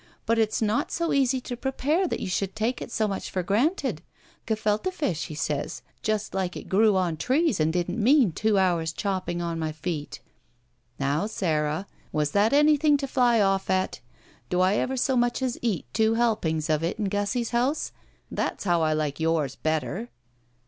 But it's not so easy to prepare, that you should take it so much for granted. Gefillte fish, he says, just 230 ROULETTE like it grew on trees and didn't mean two hours' chopping on my feet." "Now, Sara, was that anything to fly oflE at? Do I ever so much as eat two helpings of it in Gussie's house? That's how I like yours better!"